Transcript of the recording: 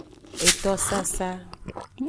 Eto sasa.